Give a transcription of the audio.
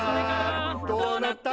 「どうなった？」